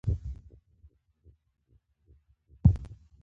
دوی خپلو شرکتونو او تولیداتو ته پراختیا ورکولای شوای.